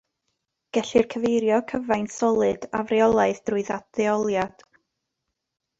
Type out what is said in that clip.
Gellir cyfrifo cyfaint solid afreolaidd drwy ddadleoliad.